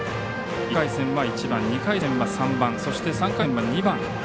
１回戦は１番、２回戦は３番そして、３回戦は２番。